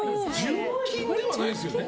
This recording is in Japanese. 純金ではないですよね？